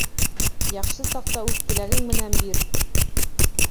Яҡшы саҡта үҙ теләгең менән бир!